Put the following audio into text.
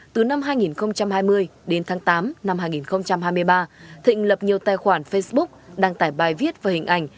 từ năm hai nghìn hai mươi đến tháng tám năm hai nghìn hai mươi ba thịnh lập nhiều tài khoản facebook đăng tải bài viết và hình ảnh